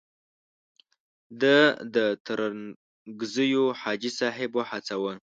ده د ترنګزیو حاجي صاحب وهڅاوه.